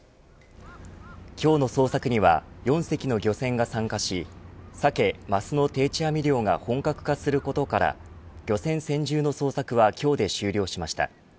今日の捜索には４隻の漁船が参加しサケ、マスの定置網漁が本格化することから漁船専従の捜索は今日で終了しました。